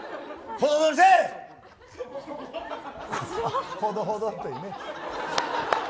ほどほどっていうね。